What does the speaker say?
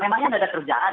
memangnya ada kerjaan